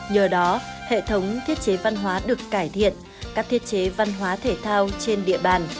nhờ đó hệ thống thiết chế văn hóa được cải thiện các thiết chế văn hóa thể thao trên địa bàn